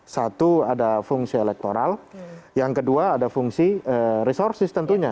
satu ada fungsi elektoral yang kedua ada fungsi resources tentunya